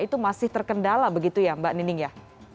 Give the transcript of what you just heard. itu masih terkendala begitu ya mbak nining ya